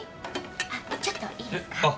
あちょっといいですか？